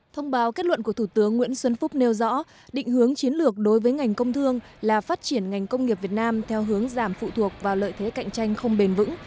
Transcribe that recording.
thông báo kết luận của thủ tướng nguyễn xuân phúc nêu rõ định hướng chiến lược đối với ngành công thương là phát triển ngành công nghiệp việt nam theo hướng giảm phụ thuộc vào lợi thế cạnh tranh không bền vững